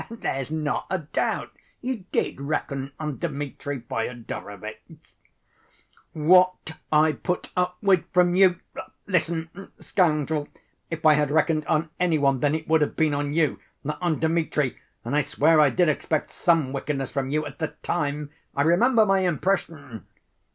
There's not a doubt you did reckon on Dmitri Fyodorovitch." "What I put up with from you! Listen, scoundrel, if I had reckoned on any one then, it would have been on you, not on Dmitri, and I swear I did expect some wickedness from you ... at the time.... I remember my impression!"